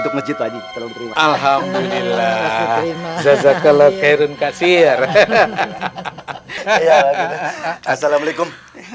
cita cita teori berhenti alhamdulillah kerun kasir hahaha hahaha hahaha assalamualaikum